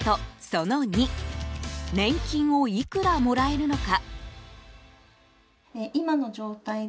その２年金をいくらもらえるのか。